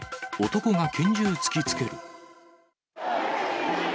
男が拳銃突きつける。